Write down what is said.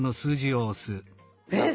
えっ！